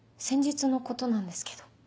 先日のことなんですけど。